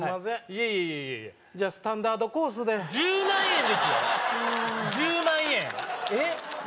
いえいえじゃスタンダードコースで１０万円ですよ１０万円えっ？